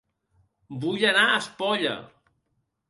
Vull anar a Espolla